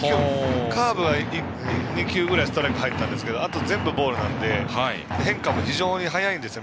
カーブが２球ストライク入ったんですがあとは全部ボールなので変化も非常に早いんですよ